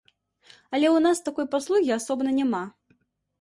Але ў нас такой паслугі асобна няма.